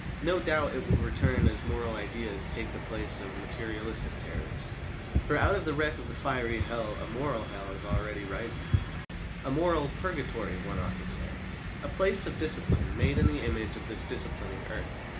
No doubt it will return as moral ideas take the place of materialistic terrors; for out of the wreck of the fiery Hell a moral Hell is already rising. A moral Purgatory, one ought to say a place of discipline made in the image of this disciplining earth.